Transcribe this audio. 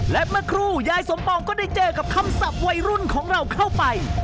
และเมื่อครู่ยายสมปองก็ได้เจอกับคำศัพท์วัยรุ่นของเราเข้าไป